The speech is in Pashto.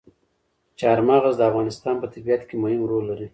چار مغز د افغانستان په طبیعت کې مهم رول لري.